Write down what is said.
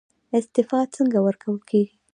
استعفا څنګه ورکول کیږي؟